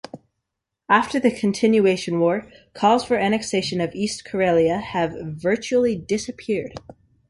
After the Continuation War, calls for annexation of East Karelia have virtually disappeared.